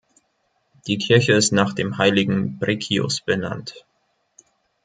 Die Kirche ist nach dem heiligen Briccius benannt.